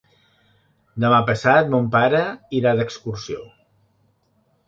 Demà passat mon pare irà d'excursió.